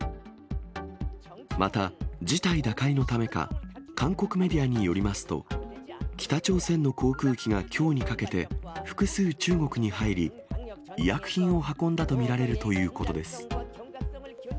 また、事態打開のためか、韓国メディアによりますと、北朝鮮の航空機がきょうにかけて、複数、中国に入り、医薬品を運んだと見られるということです。